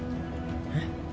えっ？